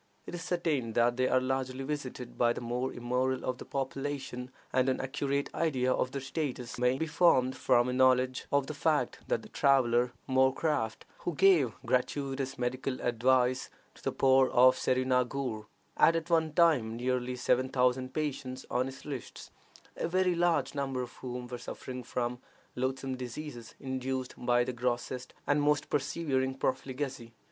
It is certain that they are largely visited by the more immoral of the population, and an accurate idea of their status may be formed from a knowledge of the fact that the traveler Moorcraft, who gave gratuitous medical advice to the poor of Serinaghur, had at one time nearly seven thousand patients on his lists, a very large number of whom were suffering from loathsome diseases induced by the grossest and most persevering profligacy.